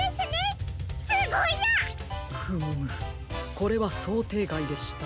これはそうていがいでした。